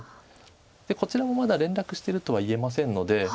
こちらもまだ連絡してるとは言えませんので。